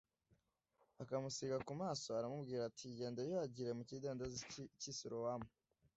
akamusiga ku maso, aramubwira ati : Genda wiyuhagire mu kidendezi cy'i Silowamu